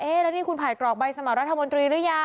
เอ๊ะแล้วนี่คุณภัยกรอกใบสมรรถมนตรีหรือยัง